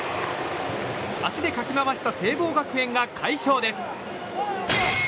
足でかき回した聖望学園が快勝です。